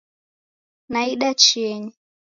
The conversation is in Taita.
Naida Chieni.